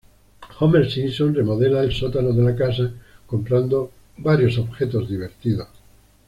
Homer Simpson remodela el sótano de la casa comprando varios objetos divertidos.